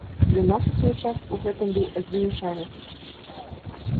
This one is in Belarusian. Для нас у свой час у гэтым быў адзіны шанец.